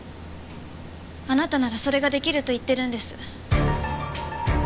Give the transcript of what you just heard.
あなたならそれが出来ると言ってるんです。